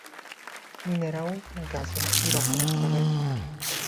minerałów, gazu i ropy naftowej